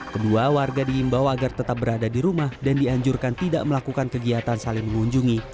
kedua warga diimbau agar tetap berada di rumah dan dianjurkan tidak melakukan kegiatan saling mengunjungi